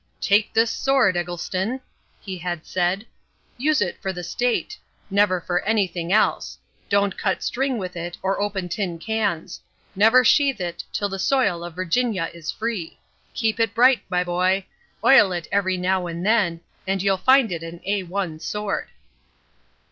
"Take this sword, Eggleston," he had said, "use it for the State; never for anything else: don't cut string with it or open tin cans. Never sheathe it till the soil of Virginia is free. Keep it bright, my boy: oil it every now and then, and you'll find it an A 1 sword."